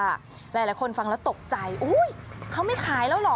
หลายคนฟังแล้วตกใจเขาไม่ขายแล้วเหรอ